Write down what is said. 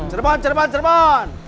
cerban cerban cerban